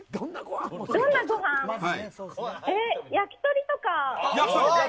焼き鳥とか。